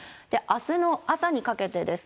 あすの朝にかけてです。